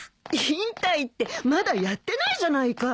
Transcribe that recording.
引退ってまだやってないじゃないか。